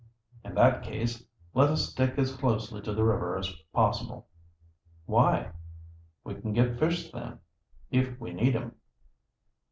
"In that case, let us stick as closely to the river as possible." "Why?" "We can get fish then, if we need 'em."